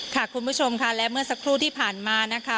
คุณผู้ชมค่ะและเมื่อสักครู่ที่ผ่านมานะคะ